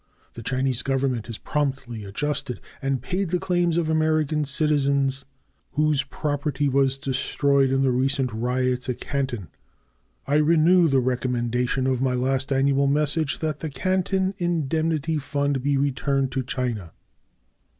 The Chinese Government has promptly adjusted and paid the claims of American citizens whose property was destroyed in the recent riots at Canton. I renew the recommendation of my last annual message, that the Canton indemnity fund be returned to China.